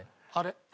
あれ。